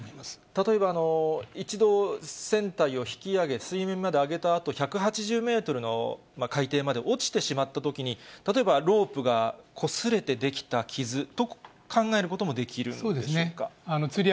例えば、一度船体を引き揚げ、水面まであげたあと、１８０メートルの海底まで落ちてしまったときに、例えばロープがこすれて出来た傷と考えることもできるんでしょうそうですね。